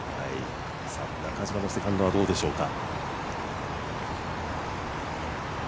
中島のセカンドはどうでしょうか。